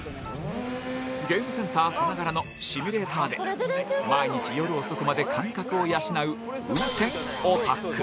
ゲームセンターさながらのシミュレーターで毎日夜遅くまで感覚を養う運転オタク。